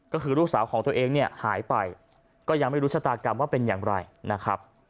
ก็คือลูกสาวของตัวเองเนี่ยหายไปก็ยังไม่รู้ชะตากรรมว่าเป็นอย่างไรนะครับ